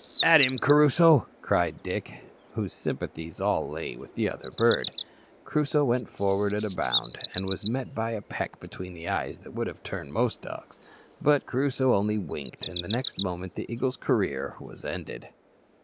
"At him, Crusoe," cried Dick, whose sympathies all lay with the other bird. Crusoe went forward at a bound, and was met by a peck between the eyes that would have turned most dogs; but Crusoe only winked, and the next moment the eagle's career was ended.